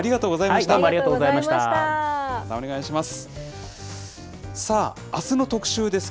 またお願いします。